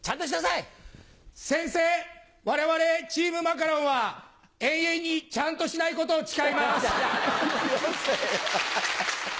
宣誓、われわれチームマカロンは、永遠にちゃんとしないことを誓いよせよ。